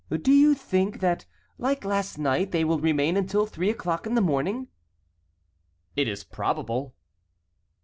"Do you think that like last night they will remain until three o'clock in the morning?" "It is probable."